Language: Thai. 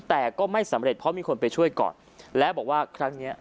แต่ก็ไม่สำเร็จเพราะมีคนไปช่วยก่อนแล้วบอกว่าครั้งเนี้ย